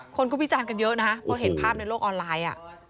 คนก็วิจารณ์กันเยอะนะเพราะเห็นภาพในโลกออนไลน์